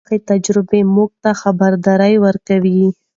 ناخوښه تجربه موږ ته خبرداری ورکوي.